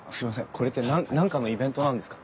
これって何かのイベントなんですか？